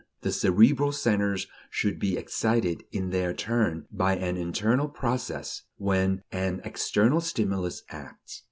The cerebral centers should be excited in their turn by an internal process, when an external stimulus acts.